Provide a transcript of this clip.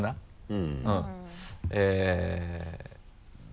うん。